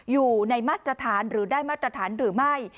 อยู่ในมาตรฐานหรือได้มาตรฐานหรือไม่